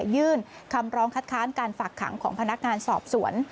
ยื่นคำร้องคัดค้านการฝากขังของพนักงานสอบสวน